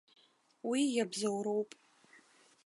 Уи иабзоуроуп.